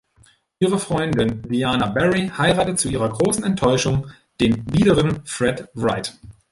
Ihre Freundin Diana Barry heiratet zu ihrer großen Enttäuschung den biederen Fred Wright.